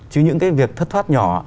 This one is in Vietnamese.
chứ những cái việc thất thoát nhỏ